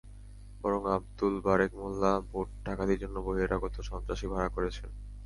বরং আবদুল বারেক মোল্লা ভোট ডাকাতির জন্য বহিরাগত সন্ত্রাসী ভাড়া করেছেন।